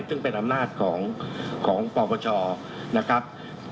ซึ่งเป็นอำนาจของปปชนะครับ